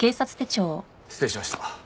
失礼しました。